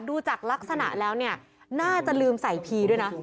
ดูจากลักษณะแล้วเนี่ยน่าจะลืมใส่พีด้วยนะ